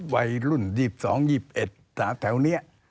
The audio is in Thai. วัยรุ่น๒๒๒๑แถวนี้